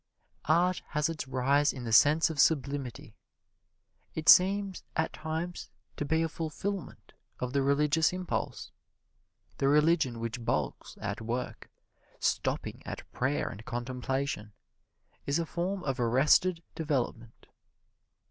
Art has its rise in the sense of sublimity. It seems at times to be a fulfilment of the religious impulse. The religion which balks at work, stopping at prayer and contemplation, is a form of arrested development.